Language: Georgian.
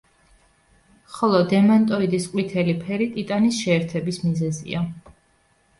ხოლო დემანტოიდის ყვითელი ფერი ტიტანის შეერთების მიზეზია.